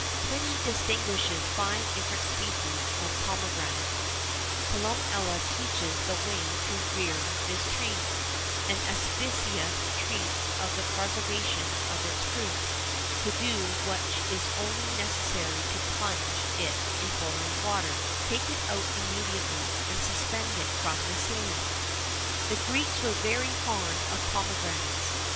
[XIV 44] Pliny distinguishes five different species of promegranate;[XIV 45] Columella teaches the way to rear this tree;[XIV 46] and Apicius treats of the preservation of its fruit, to do which it is only necessary to plunge it in boiling water, take it out immediately, and suspend it from the ceiling.[XIV 47] The Greeks were very fond of pomegranates.